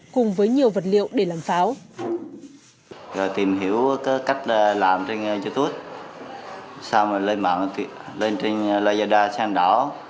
cùng với nhiều vật liệu để làm pháo